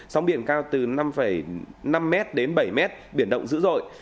sóng biển cao từ năm năm m đến bảy m biển động dữ dội